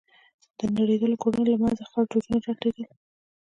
د نړېدلو کورونو له منځه خړ دودونه لټېدل.